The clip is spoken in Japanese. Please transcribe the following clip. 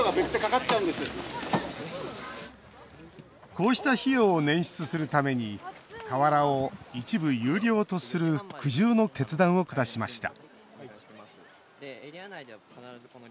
こうした費用を捻出するために河原を一部有料とする苦渋の決断を下しました